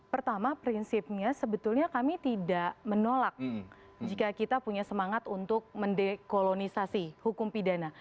pertama prinsipnya sebetulnya kami tidak menolak jika kita punya semangat untuk mendekolonisasi hukum pidana